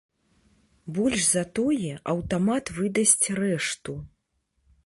Больш за тое, аўтамат выдасць рэшту.